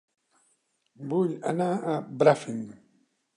Vull anar a Bràfim